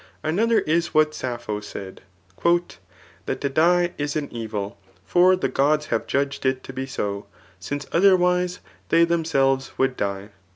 Another is what Sappho said, '^ That to die is an evil ; for the gods hare judged it to be so ; since otherwise, they themselves would die.'